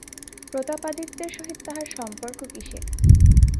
প্রতাপাদিত্যের সহিত তাঁহার সম্পর্ক কিসের?